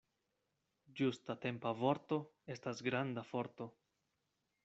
Ĝustatempa vorto estas granda forto.